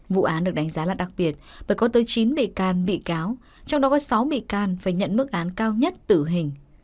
vụ án được đánh giá là đặc biệt bởi có tới chín bị can bị cáo trong đó có sáu bị can phải nhận mức án cao nhất tử hình